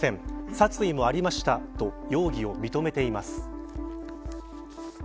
殺意もありましたと容疑を認めています。